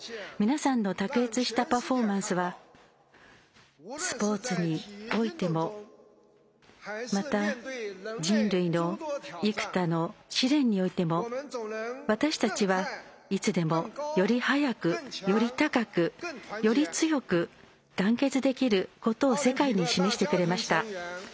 皆さんの卓越したパフォーマンスはスポーツにおいてもまた人類の幾多の試練においても私たちは、いつでも「より速く、より高くより強く」団結できることを世界に示してくれました。